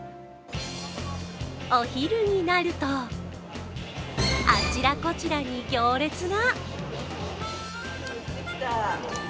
お昼になるとあちらこちらに行列が。